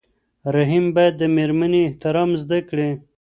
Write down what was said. رحیم باید د مېرمنې احترام زده کړي.